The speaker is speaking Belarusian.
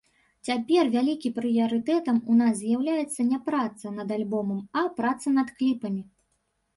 Цяпер вялікі прыярытэтам у нас з'яўляецца не праца над альбомам, а праца над кліпамі.